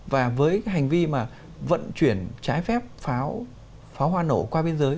và với hành vi mà vận chuyển trái phép pháo hoa nổ qua biên giới